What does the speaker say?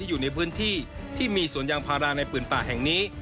อยู่ในพื้นที่ที่มีสวนยางพาราในผืนป่าแห่งนี้